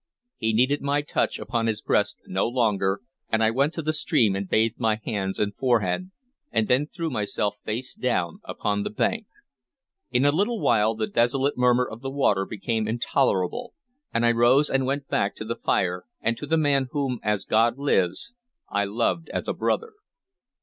He needed my touch upon his breast no longer, and I went to the stream and bathed my hands and forehead, and then threw myself face downward upon the bank. In a little while the desolate murmur of the water became intolerable, and I rose and went back to the fire, and to the man whom, as God lives, I loved as a brother.